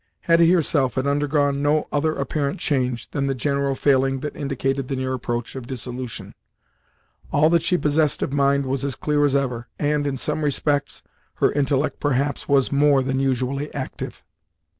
Hetty herself had undergone no other apparent change than the general failing that indicated the near approach of dissolution. All that she possessed of mind was as clear as ever, and, in some respects, her intellect perhaps was more than usually active.